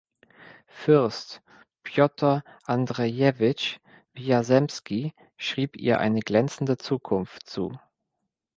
Fürst Pjotr Andrejewitsch Wjasemski schrieb ihr eine glänzende Zukunft zu.